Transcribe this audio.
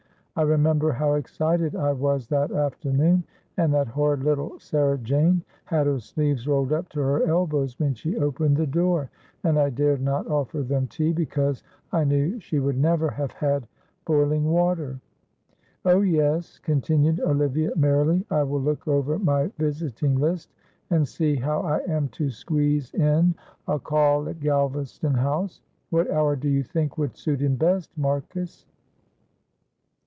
I remember how excited I was that afternoon, and that horrid little Sarah Jane had her sleeves rolled up to her elbows when she opened the door, and I dared not offer them tea because I knew she would never have had boiling water. Oh, yes," continued Olivia, merrily, "I will look over my visiting list, and see how I am to squeeze in a call at Galvaston House. What hour do you think would suit him best, Marcus?"